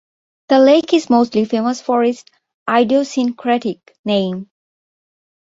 The lake is mostly famous for its idiosyncratic name.